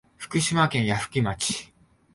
福島県矢吹町